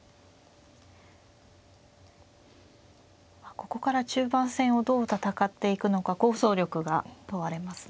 ここから中盤戦をどう戦っていくのか構想力が問われますね。